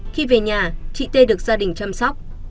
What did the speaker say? khi về nhà chị t được gia đình chăm sóc